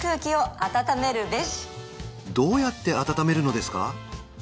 どうやって暖めるのですか？